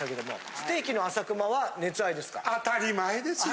ステーキのあさくまは熱愛ですか？